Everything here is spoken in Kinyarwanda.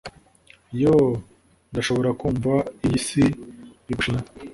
yoo! ndashobora kumva iyi si igushima